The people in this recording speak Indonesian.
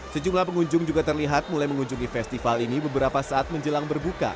sejumlah pengunjung juga terlihat mulai mengunjungi festival ini beberapa saat menjelang berbuka